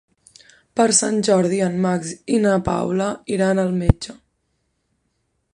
Per Sant Jordi en Max i na Paula iran al metge.